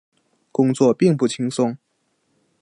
工作并不轻松